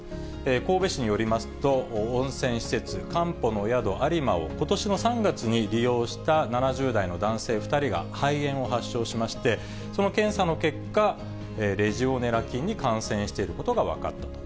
神戸市によりますと、温泉施設、かんぽの宿有馬をことしの３月に利用した７０代の男性２人が肺炎を発症しまして、その検査の結果、レジオネラ菌に感染していることが分かったと。